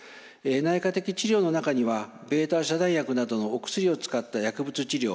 内科的治療の中にはβ遮断薬などのお薬を使った薬物治療